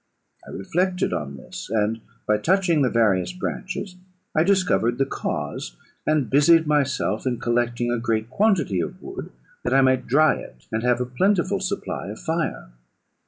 I reflected on this; and, by touching the various branches, I discovered the cause, and busied myself in collecting a great quantity of wood, that I might dry it, and have a plentiful supply of fire.